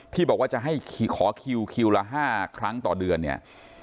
ที่บอกว่าจะให้ขอคิวคิวละ๕ครั้งต่อเดือนเนี่ย